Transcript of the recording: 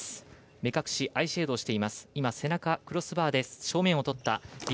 目隠し、アイシェードをしています。